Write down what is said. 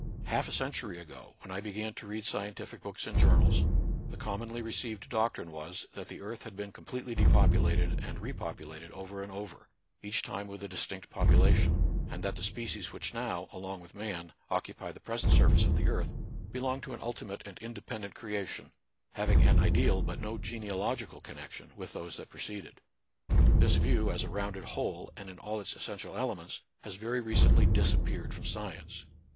Half a century ago, when I began to read scientific books and journals, the commonly re ceived doctrine was, that the earth had been completely depopulated and repopulated over and over, each time with a distinct population ; and that the species which now, along with man, occupy the present surface of the earth, belong to an ultimate and independent creation, having an ideal but no genealogical connection with those that preceded. This view, as a rounded whole and in all its essential elements, has very recently disappeared from science.